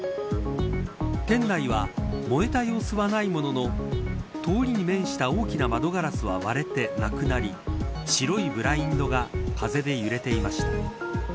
店内は燃えた様子はないものの通りに面した大きな窓ガラスは割れてなくなり白いブラインドが風で揺れていました。